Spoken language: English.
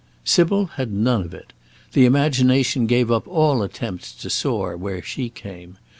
Sybil had none of it. The imagination gave up all attempts to soar where she came.